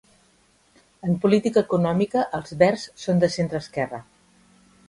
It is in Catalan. En política econòmica, els verds són de centre-esquerra.